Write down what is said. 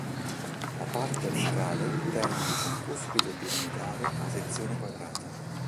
La parte apicale termina con cuspide piramidale a sezione quadrata.